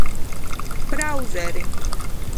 ბრაუზერი